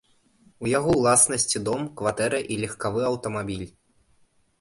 У яго ўласнасці дом, кватэра і легкавы аўтамабіль.